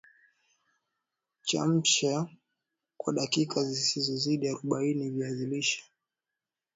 Chemsha kwa dakika zisizozidi arobaini viazi lishe